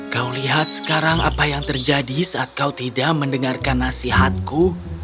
kau lihat sekarang apa yang terjadi saat kau tidak mendengarkan nasihatku